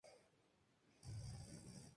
El calendario sólo permite visualización mensual.